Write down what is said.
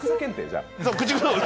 じゃあ。